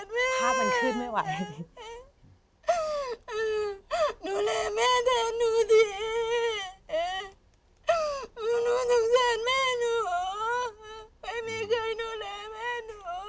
ไม่เป็นไรทราบมันขึ้นไม่ไหว